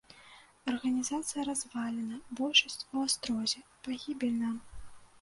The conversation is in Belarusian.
Арганізацыя развалена, большасць у астрозе, пагібель нам.